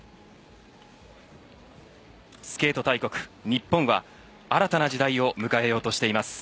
スケート大国・日本は新たな時代を迎えようとしています。